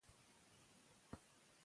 که غیبت ونه کړو نو ګناه نه لیکل کیږي.